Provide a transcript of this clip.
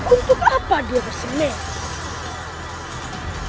untuk apa dia bersenang